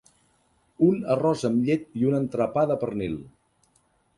Un arròs amb llet i un entrepà de pernil.